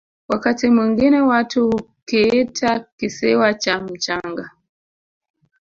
wakati mwingine watu hukiita kisiwa cha mchanga